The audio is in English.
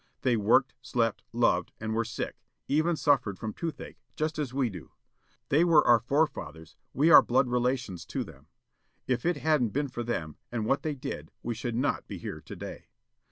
They worked, slept, loved, and were sick â even suffered from toothache â just as we do. They were our forefathers, we are blood relations to them. If it hadn't been for them, and what they did, we should not be here today.